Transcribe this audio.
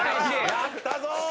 やったぞ！